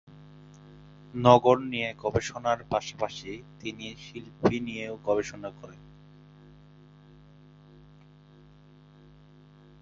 নগর নিয়ে গবেষণার পাশাপাশি তিনি শিল্প নিয়েও গবেষণা করেছেন।